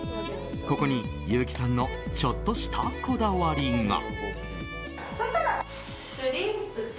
ここに優木さんのちょっとしたこだわりが。